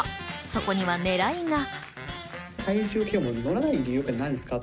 そこには狙いが。